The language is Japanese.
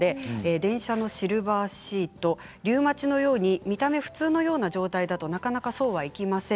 電車のシルバーシートリウマチのように見た目が普通のような状態だとなかなかそうはいきません。